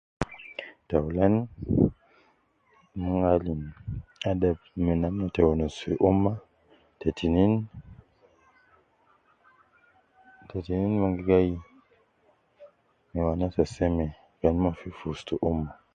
Taulan ,ana alim adab ma namna te wonus fi umma, te tinin, te tinin mon gi gai me wanasa seme kan mon fi fi ustu umma